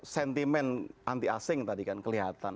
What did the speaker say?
sentimen anti asing tadi kan kelihatan